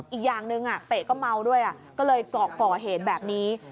อีกอย่างหนึ่งเป๊ะก็เมาด้วยก็เลยเกาะก่อเหตุแบบนี้